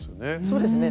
そうですね